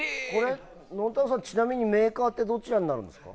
のんたろうさん、ちなみにメーカーどちらになるんですか？